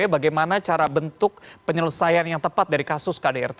bagaimana cara bentuk penyelesaian yang tepat dari kasus kdrt